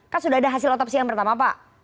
kan sudah ada hasil otopsi yang pertama pak